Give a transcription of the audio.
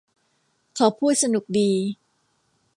เขาพูดสนุกดี